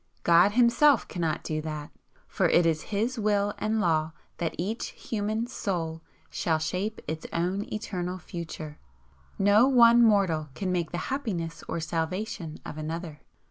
God Himself cannot do that, for it is His Will and Law that each human soul shall shape its own eternal future. No one mortal can make the happiness or salvation of another.